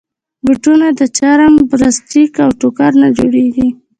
بوټونه د چرم، پلاسټیک، او ټوکر نه جوړېږي.